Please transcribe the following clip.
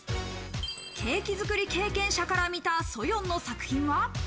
ケーキ作り経験者から見た、Ｓｏｙｏｎの作品は？